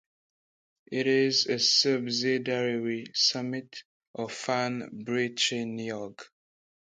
It is a subsidiary summit of Fan Brycheiniog.